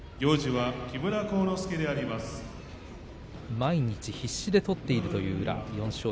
毎日、必死で取っているという宇良です。